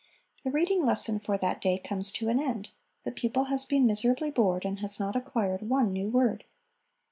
The reading lesson for that day comes to an end. The pupil has been miserably bored, and has not acquired one new word.